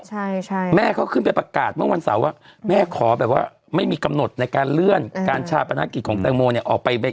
ใช่ใช่แม่เขาขึ้นไปประกาศเมื่อวันเสาร์ว่าแม่ขอแบบว่าไม่มีกำหนดในการเลื่อนการชาปนกิจของแตงโมเนี่ยออกไป